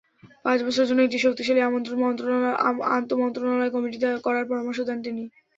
পাঁচ বছরের জন্য একটি শক্তিশালী আন্তমন্ত্রণালয় কমিটি করার পরামর্শ দেন তিনি।